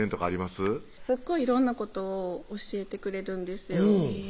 すっごい色んなことを教えてくれるんですよ